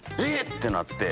てなって。